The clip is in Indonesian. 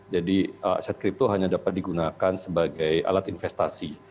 jadi aset kripto hanya dapat digunakan sebagai alat investasi